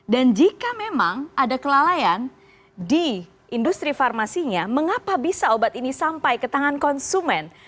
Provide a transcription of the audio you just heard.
dan jika memang ada kelalaian di industri farmasinya mengapa bisa obat ini sampai ke tangan konsumen